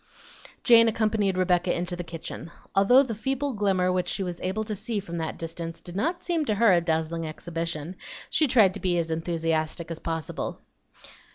Jane accompanied Rebecca into the kitchen. Although the feeble glimmer which she was able to see from that distance did not seem to her a dazzling exhibition, she tried to be as enthusiastic as possible.